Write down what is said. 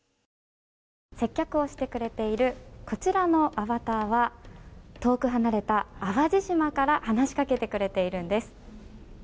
接客してくれているこちらのアバターは遠く離れた淡路島から話しかけてくれているんです。